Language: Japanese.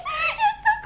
そこ！